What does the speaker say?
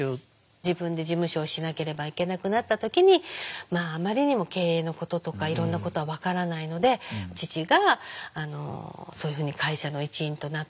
自分で事務所をしなければいけなくなった時にあまりにも経営のこととかいろんなことは分からないので父がそういうふうに会社の一員となって。